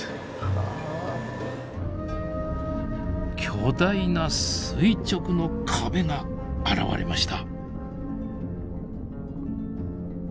巨大な垂直の壁が現れました。